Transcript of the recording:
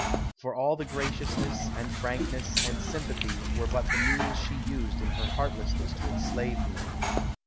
For all the graciousness and frankness and sympathy were but the means she used in her heartlessness to enslave me.